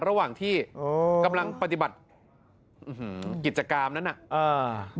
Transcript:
ระหว่างที่กำลังปฏิบัติกิจกรรมนะบินสามารถให้ไม่ยินเลยนะ